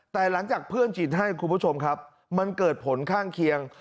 แต่หลังจากเพื่อนฉีดให้คุณผู้ชมครับมันเกิดผลข้างเคียง